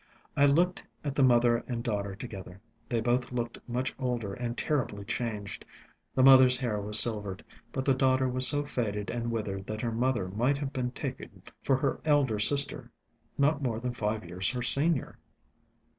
I looked at the mother and daughter together. They both looked much older and terribly changed. The mother's hair was silvered, but the daughter was so faded and withered that her mother might have been taken for her elder sister, not more than five years her senior.